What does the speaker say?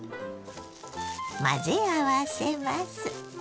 混ぜ合わせます。